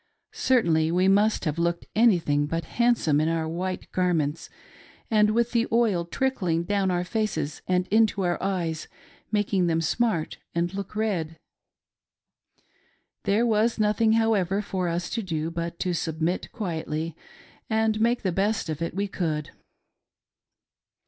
Certainly, we must nave looked anything but handsome in ouf white garments and with the oil trickling down our faces and into our eyes, making them smart and look ^ed. Thete Was nothing, however, fot us to do but to Subniit qtiietly and make the best of it we could.